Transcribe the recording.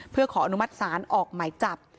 เพื่อขออนุมัติศาลออกหมายจับ